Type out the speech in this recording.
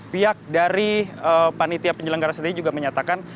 pihak dari panitia penyelenggara sendiri juga menyatakan